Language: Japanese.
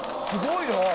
すごいな。